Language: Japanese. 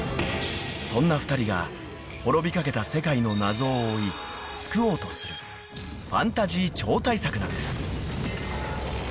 ［そんな２人が滅びかけた世界の謎を追い救おうとするファンタジー超大作なんです］